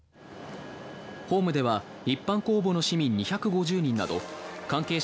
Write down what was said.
ホームでは一般公募の市民２５０人など関係者